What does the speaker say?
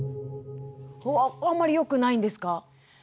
あんまりよくないんですか？